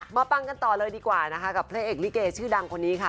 ปังกันต่อเลยดีกว่านะคะกับพระเอกลิเกชื่อดังคนนี้ค่ะ